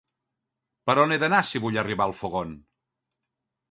Per on he d'anar si vull arribar al Fogón?